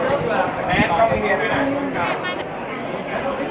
อันดับสุดของเมืองอ